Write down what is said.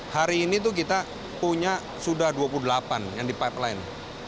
hari ini tuh kita punya sudah dua puluh delapan yang di pipeline